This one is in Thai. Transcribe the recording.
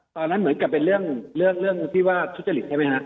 เหมือนกับเป็นเรื่องที่ว่าทุจริตใช่ไหมฮะ